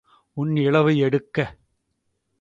உன் இழவு எடுக்க.